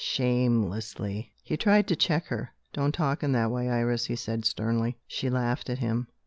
shamelessly!" He tried to check her. "Don't talk in that way, Iris," he said sternly. She laughed at him.